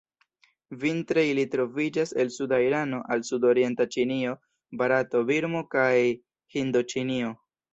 Vintre ili troviĝas el suda Irano al sudorienta Ĉinio, Barato, Birmo kaj Hindoĉinio.